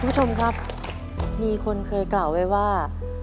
คุณผู้ชมครับมีคนเคยกล่าวไว้ว่า